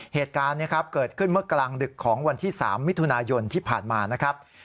เหตุการณ์เกิดขึ้นเมื่อกลางดึกของวันที่๓มิถุนายนที่ผ่านมานะครับ